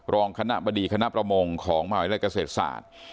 รองคณะบดีคณะประมงของมหาวิทยาลัยเกษตรศาสตร์